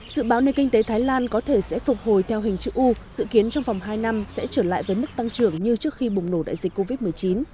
dự báo nền kinh tế thái lan có thể sẽ phục hồi theo hình chữ u dự kiến trong vòng hai năm sẽ trở lại với mức tăng trưởng như trước khi bùng nổ đại dịch covid một mươi chín